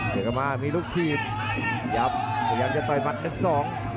เดี๋ยวก็มามีลูกทีมยับพยายามจะต่อยมัดนึงสอง